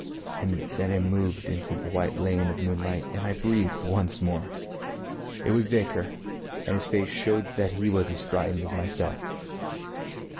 And then it moved out into the white lane of moonlight, and I breathed once more. It was Dacre, and his face showed that he was as frightened as myself.